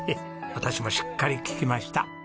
私もしっかり聞きました。